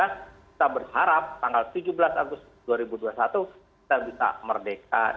kita berharap tanggal tujuh belas agustus dua ribu dua puluh satu kita bisa merdeka